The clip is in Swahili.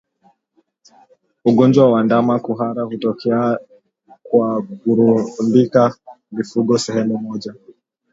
Ugonjwa wa ndama kuhara hutokea kwa kurundika mifugo sehemu moja